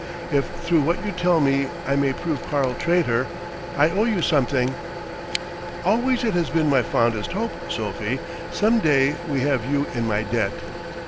If through what you tell me I may prove Karl traitor, I owe you something." "Always it has been my fondest hope, Sophie, some day to have you in my debt."